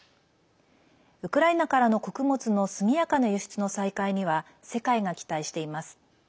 ウクライナからの穀物の速やかな輸出の再開には世界が期待しています。